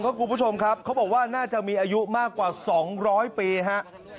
คุณผู้ชมครับเขาบอกว่าน่าจะมีอายุมากกว่า๒๐๐ปีฮะ